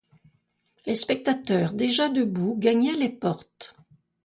Les spectateurs, déjà debout, gagnaient les portes.